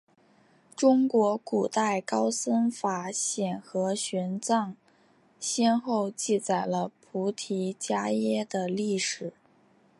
中国古代高僧法显和玄奘先后记载了菩提伽耶的历史。